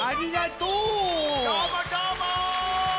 どーもどーも！